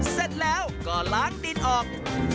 เสร็จแล้วก็ล้างดินออก